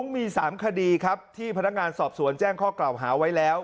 มี๓คดีครับที่พนักงานสอบสวนแจ้งข้อกล่าวหาไว้แล้ว